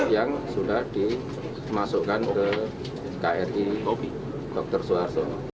yang sudah dimasukkan ke kri opi dr suharto